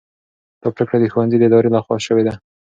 دا پرېکړه د ښوونځي د ادارې لخوا سوې ده.